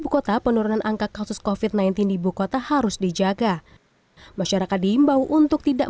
bukota penurunan angka kasus kofit sembilan belas di bukota harus dijaga masyarakat diimbau untuk tidak